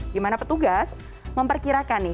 dimana petugas memperkirakan nih